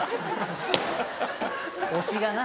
推しがな。